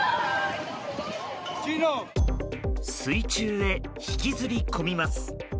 水中へ引きずり込みます。